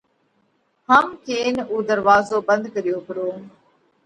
هم ڪينَ اُوئہ ڌروازو ڀنڌ ڪريو پرو۔